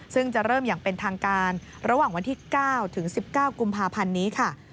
ซึ่งจะเริ่มอย่างเป็นทางการระหว่างวันที่๙ถึง๑๙กุมภาพันธ์นี้ค่ะ